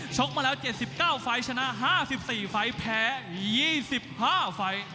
ชกมาแล้ว๗๙ไฟชนะ๕๔ไฟแพ้๒๕ไฟ